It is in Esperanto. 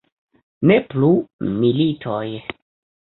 Ne plu militoj!